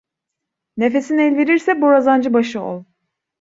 Nefesin elverirse borazancı başı ol.